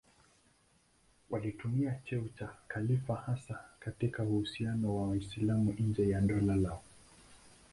Walitumia cheo cha khalifa hasa katika uhusiano na Waislamu nje ya dola lao.